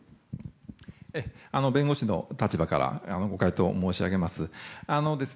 弁護士の立場からご回答申し上げます。